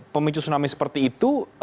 pemicu tsunami seperti itu